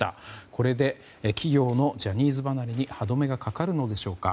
これで企業のジャニーズ離れに歯止めがかかるのでしょうか。